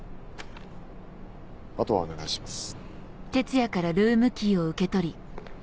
あとはお願いします。